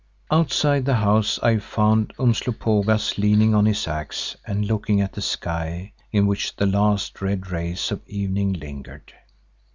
Outside the house I found Umslopogaas leaning on his axe and looking at the sky in which the last red rays of evening lingered.